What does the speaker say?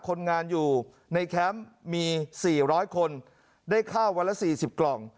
คนงานอยู่ในแคมป์มีสี่ร้อยคนได้ข้าววันละสี่สิบกล่อง